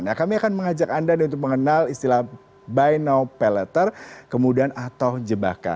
nah kami akan mengajak anda untuk mengenal istilah buy now pay letter kemudian atau jebakan